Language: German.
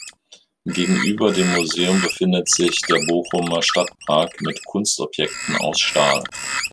Gegenüber dem Museum befindet sich der Bochumer Stadtpark mit Kunstobjekten aus Stahl.